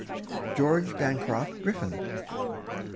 George Bancroft Griffith.